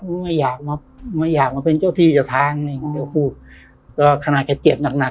ไม่อยากมาไม่อยากมาเป็นเจ้าที่เจ้าทางนี่เดี๋ยวพูดก็ขนาดแกเจ็บหนักหนัก